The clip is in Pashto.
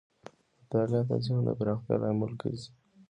مطالعه د ذهن د پراختیا لامل ګرځي.